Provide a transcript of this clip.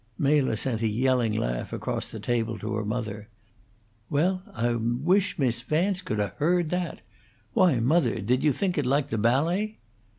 Mela sent a yelling laugh across the table to her mother. "Well, I wish Miss Vance could 'a' heard that! Why, mother, did you think it like the ballet?"